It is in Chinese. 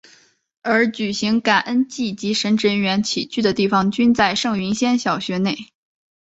而举行感恩祭及神职人员起居的地方均在圣云仙小学内。